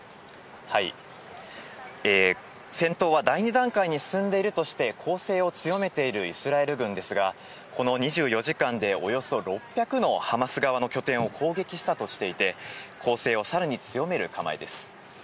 戦闘は第２段階に進んでいるとして、攻勢を強めているイスラエル軍ですが、この２４時間で、およそ６００のハマス側の拠点を攻撃したとしていて、攻勢をさらに強める構えです。